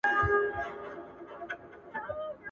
له شهپر څخه یې غشی دی جوړ کړی ..